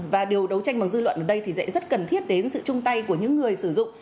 và điều đấu tranh bằng dư luận ở đây thì dạy rất cần thiết đến sự chung tay của những người sử dụng